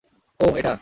ওহ, এটা?